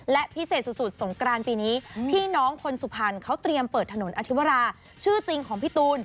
และพิเศษสุดสงกรานปีนี้พี่น้องคนสุพรรณเขาเตรียมเปิดถนนอธิวราชื่อจริงของพี่ตูน